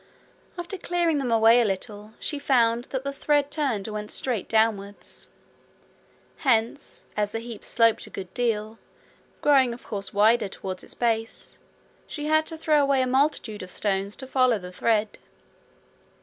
After clearing them away a little, she found that the thread turned and went straight downwards. Hence, as the heap sloped a good deal, growing of course wider towards its base, she had to throw away a multitude of stones to follow the thread.